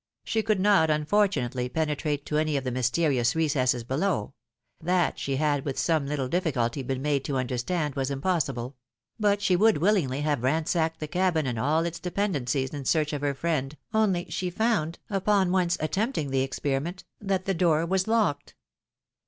She could not unfortunately pene trate to any of the mysterious recesses below, — that she had with some little diflftculty been made to understand was impossible ; but she would wiUingly have ransacked the cabin and all its dependencies in search of her friend, only she found, upon once attempting the experiment, that the door was locked.